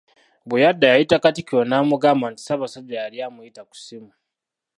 Bwe yadda yayita Katikkiro naamugamba nti Ssabasajja yali amuyita ku ssimu.